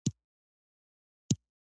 اوښ د افغان تاریخ په کتابونو کې ذکر شوی دی.